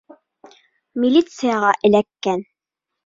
Милицияға эләккән.